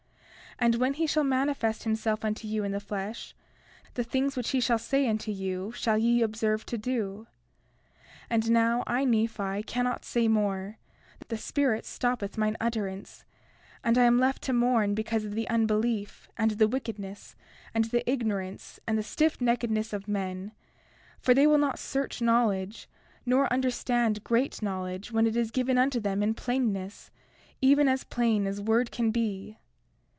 And when he shall manifest himself unto you in the flesh, the things which he shall say unto you shall ye observe to do. 32:7 And now I, Nephi, cannot say more; the Spirit stoppeth mine utterance, and I am left to mourn because of the unbelief, and the wickedness, and the ignorance, and the stiffneckedness of men; for they will not search knowledge, nor understand great knowledge, when it is given unto them in plainness, even as plain as word can be.